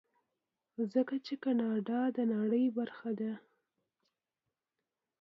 ځکه چې کاناډا د نړۍ برخه ده.